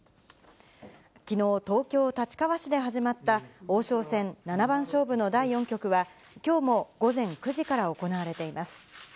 きのう、東京・立川市で始まった、王将戦七番勝負の第４局は、きょうも午前９時から行われています。